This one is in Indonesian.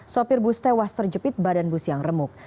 sopir bus tewas terjepit badan bus yang remuk